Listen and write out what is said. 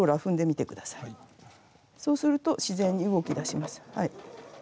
そうすると自然に動きだしますはい。